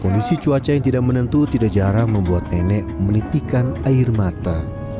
kondisi cuaca yang tidak menentu tidak jarang membuat nenek menitikan air mata